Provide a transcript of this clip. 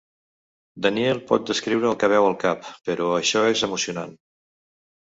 Daniel pot descriure el que veu al cap, per això és emocionant.